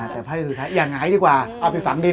แต่พระอาทิตย์ค่ะอย่างไรดีกว่าเอาไปฝังดิน